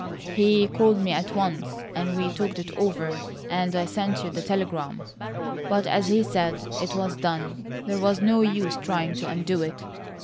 "He called me at once, and we talked it over and I sent you the telegram; but as he said, it was done; there was no use trying to undo it.